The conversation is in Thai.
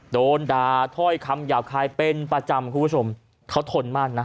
โดนด่าถ้อยคำหยาบคายเป็นประจำคุณผู้ชมเขาทนมากนะ